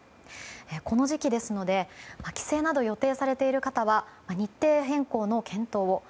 この時期ですので、帰省など予定されている方は日程変更の検討を。